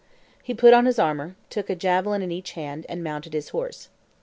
He put on his armor, took a javelin in each hand, and mounted his horse.